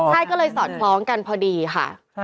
ใช่ก็เลยสอดคล้องกันพอดีค่ะ